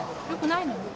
よくないの？